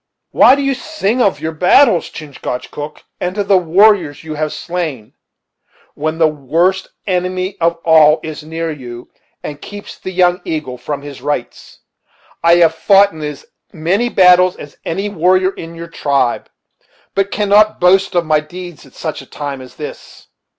"Why do you sing of your battles, Chingachgook, and of the warriors you have slain, when the worst enemy of all is near you, and keeps the Young Eagle from his rights? I have fought in as many battles as any warrior in your tribe, but cannot boast of my deeds at such a time as this."